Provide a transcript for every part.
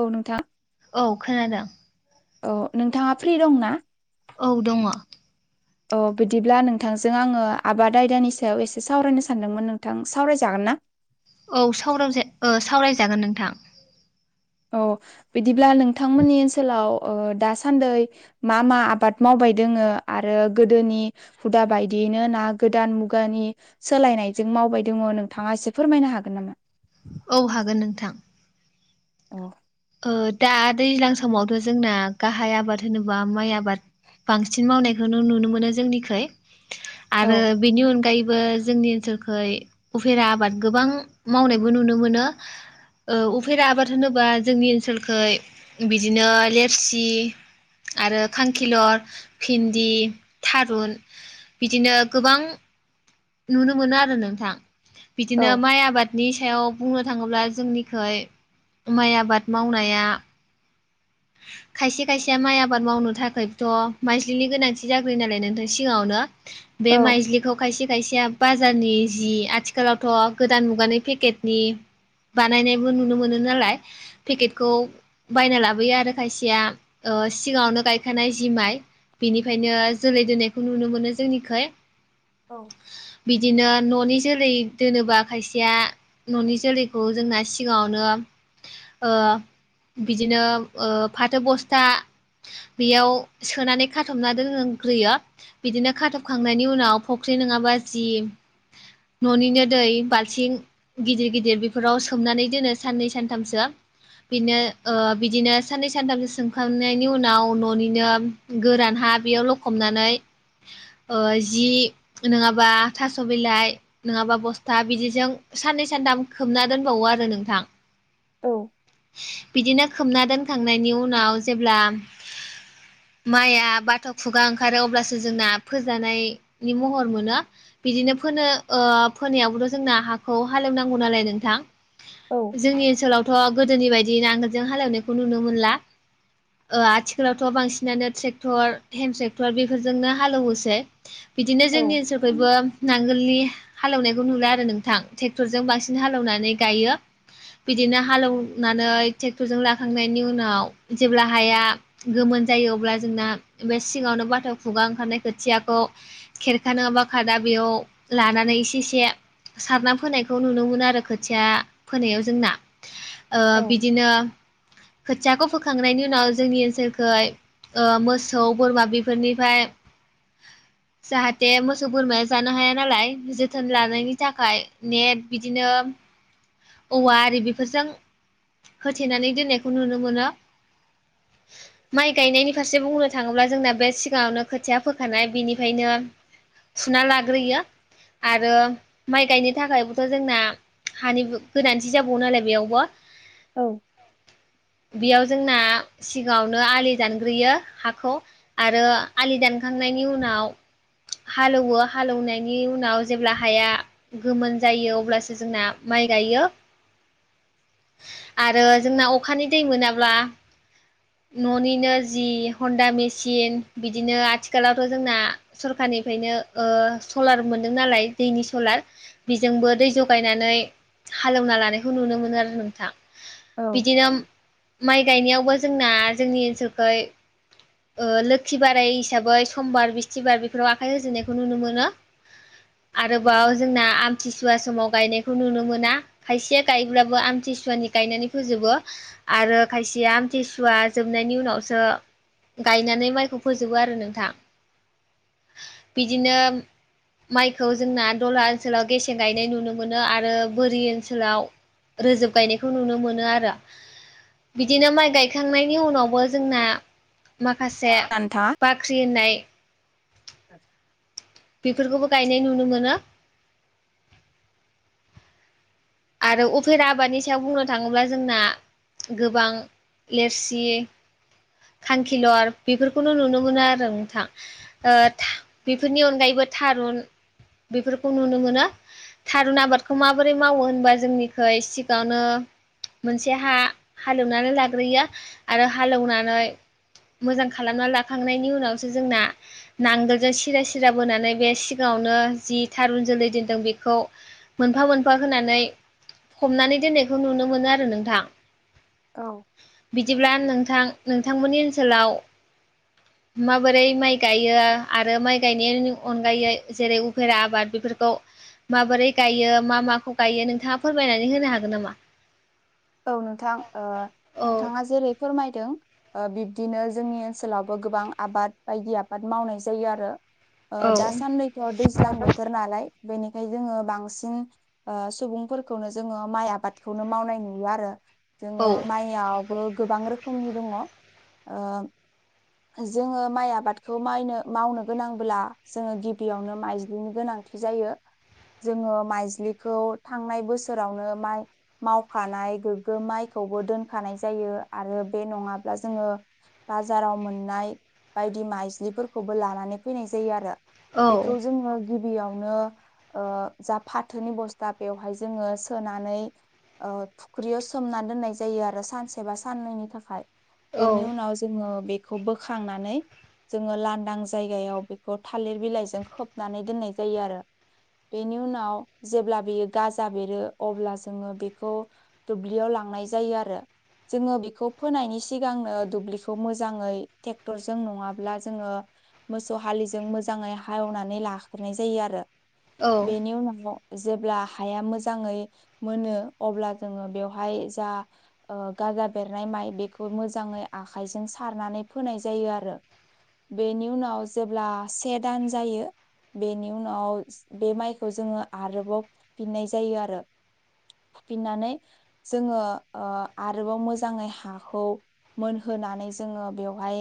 औ नोंथां। औ खोनादों। औ नोंथाङा फ्रि दं ना? औ दङ। अ बिदिब्ला नोंथांजों आङो आबाद आयदानि सायाव एसे सावरायनो सानदोंमोन नोंथां सावरायजागोन? ना? औ सावराव सावरायजागोन नोंथां। औ बिदिब्ला नोंथांमोननि ओनसोलाव ओ दासान्दै मा मा आबाद माव बाय दङ आरो गोदोनि हुदा बायदियैनो ना गोदान मुगानि सोलायनायजों मावबाय दङ नोंथाङा फोरमायनो हागोन नामा? औ हागोन नोंथां। अ। ओर दा दैज्लां समावथ' जोंना गाहाय आबाद होनोबा माइ आबाद। बांसिन मावनायखौ नुनो मोनो जोंनिखै औ आरो बेनि अनगायैब बो जोंनि ओनसोलखै उफेरा आबाद गोबां मावनायबो नुनो मोनो। ओ उफेरा आबाद होनोबा जोंनि ओनसोलखै बिदिनो लरसि। आरो खांखिलर फिन्दि थारुन। बिदिनो गोबां। नुनो मोनो आरो नोंथां बिदिनो औ माइ आबादनि सायाव बुंनो थाङोब्ला जोंनिखै माइ आबाद मावनाया [inaudible] खायसे खायसेया माइ आबाद मावनो थाखायथ' माइजलिनि गोनांथि जाग्रोयो नालाय नोंथां सिगाङावनो। बे औ माइज्लिखौ खायसे खायसेया बाजारनि जि आथिखालावथ' गोदान मुगानि पेकेटनि बानायनायबो नुनो मोनो नालाय पेकेटखौ बायना लाबोयो आर आरो खायसेया ओ सिगाङावनो गायखानाय जि माइ बिनिफ्रायनो जोलै दोननायखौ नुनो मोनो जोंनिखै। औ। बिदिनो न'नि जोलै दोनोबा खायसेया न'नि जोलैखौ जोंना सिगाङावनो ओ बिदिनो ओ फाथो बस्था। बेयाव सोनानै खाथबना दोनग्रोयो बिदिनो खाथबखांनायनि उनाव फख्रि फ्रि नङाबा जि। न'निनो दै बाल्थिं गिदिर गिदिर बेफोराव सोमनानै दोनो साननै सानथामसो। बिदिनो ओ बिदिनो। साननै सानथामसो सोंखांनायनि उनाव न'निनो गोरान हा बेयाव लखबनानै [inaudible] ओ जि नङाबा थास' बिलाइ नङाबा बस्था बिदिजों साननै सान दाम खोबना दोनबावो आरो नोंथां। औ। बिदिनो खोबना दोनखांनायनि उनाव जेब्ला माइआ बाथ' खुगा ओंखारो अब्लासो जोंना फोजानायनि महर मोनो बिदिनो फोनो ओ फोनायावबोथ' जोंना हाखौ हालेवनांगौ नालाय नोंथां। औ जोंनि ओनसोलावथ' गोदोनि बायदि नांगोलजों हालेवनायखौ नुनो मोनला। ओ आथिखालावथ' बांसिनानो ट्रेक्टर हेन्द ट्रेक्टर बेफोरजोंनो हालौयोसै। बिदिनो जोंनि ओनसोलखैबो नांगोलनि। हालेवनायखौ नुला आरो नोंथां ट्रेक्टरजों बांसिन हालौवनानै गायो। बिदिनो हालौवनानै ट्रेक्टर जों ला [unintelligible] मा ओंखारनाय खोथियाखौ खेरखा नङाबा खादा बेयाव लानानै इसे इसे सारना फोनायखौ नुनो मोनो आरो खोथिया फोनायाव जोंना ओ औ बिदिनो खोथियाखो फोखांनायनि उनाव जोंनि ओनसोलखोहाय ओ मोसौ बोरमा बेफोरनिफ्राय जाहाते मोसौ बोरमाया जानो हाया नालाय जोथोन लानायनि थाखाय नेट बिदिनो औवा आरि बेफोरजों होथेनानै दोननायखौ नुनो मोनो माइ गायनायनि फारसे बुंनो थाङोब्ला जोंना बे सिगाङावनो खोथिया फोखानाय बेनिफायनो फुना लाग्रोयो आरो माइ गायनो थाखायबोथ' जोंना हानिबो गोनांथि जाबावो नालाय बेयावबो औ बेयाव जोंना सिगाङावनो आलि दानग्रोयो हाखौ आरो आलि दानखा थांनायनि उनाव हाल एवो हालौनायनि उनाव जेब्ला हाया गोमोन जायो अब्लासो जोंना मान माइ गायो आरो जोंना अखानि दै मोनाब्ला न'निनो जि हन्दा मेचिन बिदिनो आथिखालावथ' जोंना सरखार निफायनो ओ सलार मोनदों नालाय दैनि सलार बेजोंबो दै जगायनानै हालेवना लानायखौ नुनो मोनो आरो नोंथां औ बिदिनो माइ गायनायावबो जोंना जोंनि ओनसोलखै ओ लोखि बारायि हिसाबै समबार बिस्थिबार बेफोराव आखाइ होजेननायखौ नुनो मोनो आरोबाव जोंना आमथिसुवा समाव गायनायखौ नुनो मोना खायसेया गायोब्लाबो आमथि मथिसुवानि गायनानै फोजोबो आरो खायसेया आमथिसुवा जोबनायनि उनावसो गायनानै माइखौ फोजोबो आरो नोंथां बिदिनो माइखौ जोंना दला ओनसोलाव गेसें गायनाय नुनो मोनो आरो बोरि ओनसोलाव रोजोब गायनायखौ नुनो मोनो आरो बिदिनो माइ गायखांनायनि उनावबो जोंना माखासे बाख्रि होननाय औ बेफोरखौबो गायनाय नुनो मोनो आरो उफेर आबादनि सायाव बुंनो थाङोब्ला जोंना गोबां लोरसि खांखिलर बेफोरखौनो नुनो मोनो आरो नोंथां ओ बेफोरनि अनगायैबो थारुन बेफोरखौ नुनो मोनो थारुन आबादखौ माबोरै मावो होनबा जोंनिखौ सिगावनो मोनसे हा हालेवनानै लाग्रोयो आरो हालेवनानै मोजां खालामना लाखांनायनि उनावसो जोंना नांगोलजों सिरा सिरा बोनानै बे सिगाङाव बेखौनो जि थारुन जोलै दोनदों बिखौ मोनफा मोनफा होनानै हमनानै दोननायखौ नुनो मोनो आरो नोंथां औ बिदिब्ला नों घनोंथांमोननि ओनसोलाव माबोरै माइ गायो आरो माइ गायनायनि अनगायै जेरै उफेरा आबाद बेफोरखौ माबोरै गायो मा माखौ गायो नोंथाङा फोरमायनानै होनो हागोन नामा औ नोंथां ओ औ नोंथाङा जेरै फोरमायदों ओ बिब्दिनो जोंनि ओनसोलावबो गोबां आबाद बायदि आबाद मावनाय जायो आरो ओ औ दासानदैथ' दैज्लां बोथोर नालाय बेनिखाय जोङो बांसिन ओ सुबुंफोरखौनो जोङो माइ आबादखौनो मावनाय नु नुयो आरो औ जोङो माइयाबो गोबां रोखोमनि दङ' ओ जोङो माइ आबादखौ मायनो मावनो गोनांब्ला जोङो गिबियावनो माइजलिनो गोनां नांथि जायो जोङो माइजलिखौ थांनाय बोसोरावनो माय माव खानाय गोग्गो माइखौबो दोनखानाय जायो आरो बे नङाब्ला जोङो बाजाराव बाव मोननाय बायदि मायज्लिफोरखौबो लानानै फैनाय जायो आरो औ बेखौ जोङो गि बेयावनो ओ जा फाथोनि बस्ता बेवहाय जोङो सोनानै ओ फुख्रियाव सोमना दोननाय जायो आरो सानसे बा साननैनि थाखाय औ बेनि उनाव जोङो बेखौ बोखांनानै जोङो लांदां जायगायाव बेखौ थालिर बिलाइजों खोबनानै दोननाय जायो आरो बेनि उनाव जेब्ला बेयो गाजा बेरो अब्ला जोङो बे बेखौ दुब्लियाव लांनाय जायो आरो जोङो बेखौ फोनायनि सिगांनो दुब्लिखौ मोजाङै ट्रेक्टरजों नङाब्ला जोङो मोसौ हलिजों मोजाङै हालेवनानै लागोरनाय जायो आरो बेनि उनाव जेब्ला हाया मोजाङै मोनो अब्ला जोङो बेवहाय जा ओ गारजा बेरनाय माइ बेखौ मोजाङै आखाइजों सा सारनानै फोनाय जायो आरो बेनि उनाव जेब्ला से दान जायो। बेनि उनाव बे माइखौ जोङो आरोबाव फुफिननाय जायो आरो। फुफिननानै जोङो ओ आरोबाव मोजाङै हाखौ मोनहोनानै जोङो बेवहाय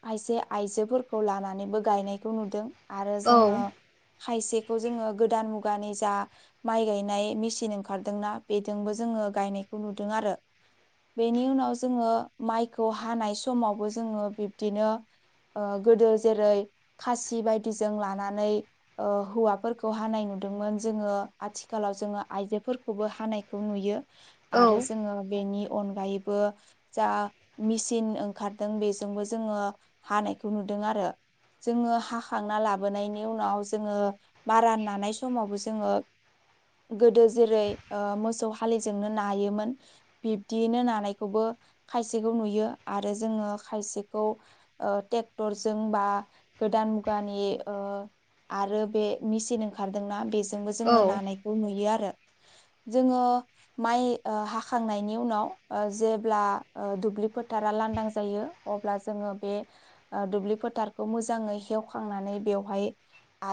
खायसे आयजोफोरखौ लानानैबो गायनायखौ खौ नुदों आरो औ जोङो खायसेखौ जोङो गोदान मुगानि जा माइ गायनाय मेसिन ओंखारदोंना बेजोंबो जोङो गायनायखौ नुदों आरो बेनि उनाव जोङो माइखौ हानाय समावबो जोङो बिबदिनो ओ गोदो जेरै खासि बायदि जों लानानै ओ हौवाफोरखौ हानाय नु दोंमोन जोङो आथिालाव जोङो आइजोफोर खौबो हानायखौ नुयो आरो जोङो बेनि- अनगायैबो जा मिचिन ओंखारदों बेजोंबो जोङो हानायखौ नुदों दों आरो जोङो हाखांना लाबोनायनि उनाव जोङो मारा नानाय समावबो जोङो गोदो जेरै ओ मोसौ हाललिजोंनो नायोमोन बिब्दियैनो नानायखौबो खायसेखौ नुयो आरो जोङो खायसेखौ ओ ट्रेक्टरजों बा गोदान मुगानि ओ आरो बे मेचिन ओंखारदोंना बेजोंबो जोङो औ नानायखौ नुयो आरो जोङो माइ ओ हाखांनायनि उनाव ओ जेब्ला ओ दुब्लि फोथारा ला लांदां जायो अब्ला जोङो बे ओ दुब्लि दफोथारखौ मोजाङै हेवखांनानै बेहाय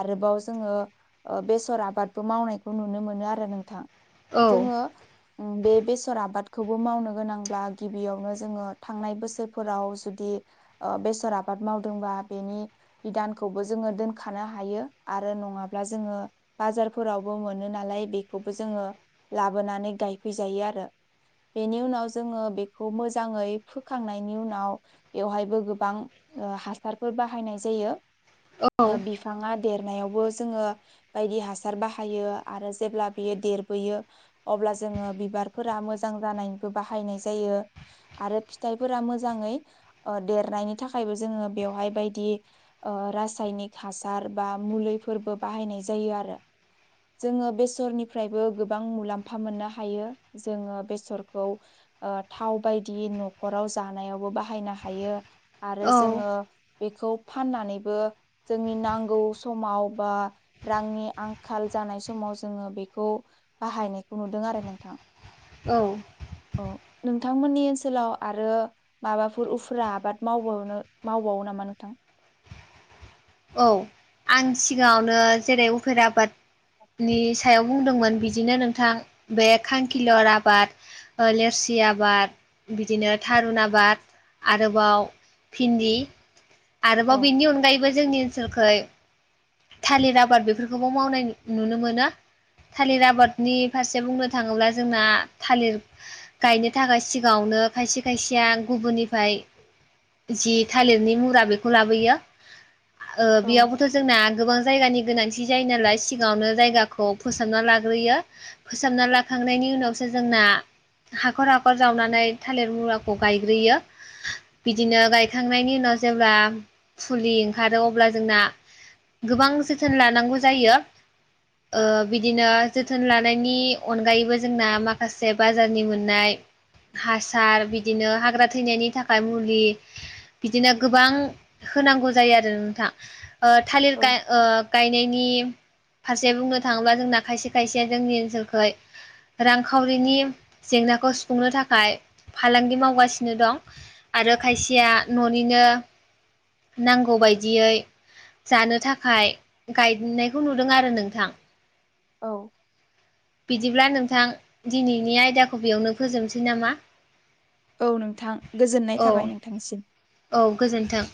आरोबाव जोङो ओ बेसर आबादबो मावनायखौ नुनो मोनो आरो नोंथां औ जोङो उम बे बेसर आबादखौबो मावनो गोनांब्ला गिबियावनो जोङो थांनाय बोसोरफोराव जुदि ओ बेसर आबाद मावदोंबा बेनि बिधानखौबो जोङो दोनखनो हायो आरो नङाब्ला जोङो बाजारफोरावबो मोनो नालाय बेखौबो जोङो लाबोनानै गायफैजायो आरो बेनि उनाव जोङो बेखौ मोजाङै फोखांनायनि उनाव बेवहायबो गोबां ओ हासारफोर बाहायनाय जायो औ ओ बिफाङा देरनायावबो जोङो बायदि हासार बाहायो आरो जेब्ला बियो देरबोयो अब्ला जोङो बिबारफोरा मोजां जानायनिबो बाहायनाय जायो आरो फिथाइफोरा मोजाङै ओ देरनायनि थाखायबो जोङो बेवहाय बायदि ओ रासायनिक हासार सार बा मुलैफोरबो बाहायनाय जायो आरो जोङो बेसरनिफ्रायबो गोबा बां मुलामफा मोननो हयो जोङो बेसरखौ ओ थाव बायदि न'खराव जानायावबो बाहायनो हायो आरो औ जोङो बेखौ फाननानैबो जोंनि नांगौ समाव बा रांनि आंखाल जा जानाय समाव जोङो बेखौ बाहायनायखौ नुदों आरो नोंथां औ। औ नोंथांमोननि ओनसोलाव आरो माबाफोर उफुरा आबाद मावावनो मावबावो नामा मा नोंथां थां औ आं सिगाङावनो जेरै उफेरा आबाद नि सायाव बुंदोंमोन बिदिनो नोंथां बे खांखिलर आबाद ओ लोरसि आबाद बिदिनो थारुन आबाद आरोबाव भिन्दि औ आरोबाव बेनि अनगायैबो जोंनि ओनसोलखै थालिर आबाद बेफोरखौबो मावनाय नुनो मोनो। थालिर आबादनि फारसे बुंनो थाङोब्ला जोंना थालिर गायनो थाखाय सिगाङाव नो खायसे खायसेया गुबुननिफ्राय जि थालिरनि मुरा बेखौ लाबोयो ओ औ बेयावबोथ' जोंना गोबां जायगानि गोनांथि जायो नालाय सिगाङावनो जायगाखौ फोसाबना लाग्रोयो फोसाबना लाखांनायनि उनावसो जोंना हाखर हाखर जावनानै थालिर मुराखौ गायग्रोयो। बिदिनो गायखांनायनि उनाव जेब्ला फुलि ओंखारो अब्ला जोंना गोबां जोथोन लानांगौ जायो। ओ बिदिनो जोथोन लानायनि अनगायैबो जोंना माखासे बाजारनि मोननाय हासार बिदिनो हाग्रा थैनायनि थाखाय मुलि। बिदिनो गोबां होनांगौ जायो आरो नोंथाङ ओ था औ गा ओ गायनायनि फारसे बुंनो थाङोब्ला जोंना खायसे खायसे जोंनि ओनसोलखै रांखावरिनि जेंनाखौ सुफुंनो थाखाय फालांगि मावगासिनो दं आरो खायसेया न'निनो नांगौ बायदियै। जानो थाखाय गायनायखौ नुदों आरो नोंथां। औ। बिदिब्ला नोंथां दिनैनि आयदाखौ बेयावनो फोजोबनोसै नामा? औ नोंथां गोजोननाय औ थाबाय नोंथांसिम। औ गोजोन्थों